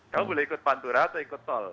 kamu boleh ikut pantura atau ikut tol